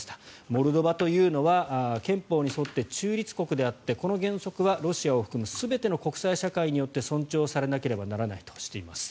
モルドバというのは憲法に沿って中立国であってこの原則はロシアを含む全ての国際社会によって尊重されなければいけないとしています。